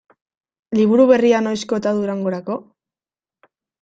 Liburu berria noizko eta Durangorako?